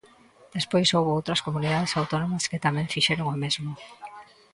Despois houbo outras comunidades autónomas que tamén fixeron o mesmo.